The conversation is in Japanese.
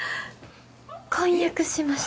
婚約しました。